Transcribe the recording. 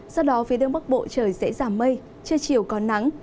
sau đó phía đông bắc bộ trời sẽ giảm mây chưa chiều có nắng